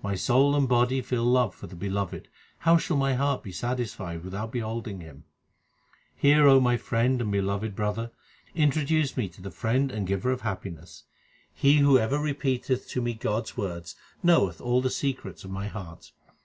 My soul and body feel love for the Beloved ; how shall my heart be satisfied without beholding Him ? Hear, my friend and beloved brother, introduce me to the Friend and Giver of happiness. He who ever repeateth to me God s words knoweth all the secrets of my heart.